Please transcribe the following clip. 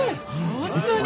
本当に！